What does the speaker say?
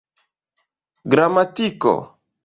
gramatiko